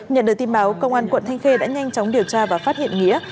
nhận được tin báo công an quận thanh khê đã nhanh chóng điều tra và phát hiện nghĩa